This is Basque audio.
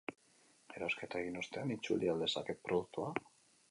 Erosketa egin ostean, itzuli al dezaket produktua?